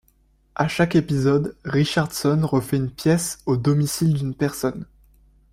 À chaque épisode, Richardson refait une pièce au domicile d'une personne.